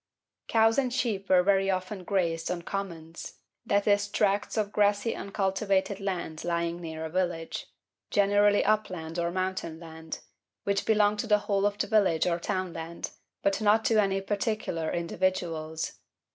Cows and sheep were very often grazed on 'Commons,' i.e., tracts of grassy uncultivated land lying near a village generally upland or mountain land which belonged to the whole of the village or townland, but not to any particular individuals.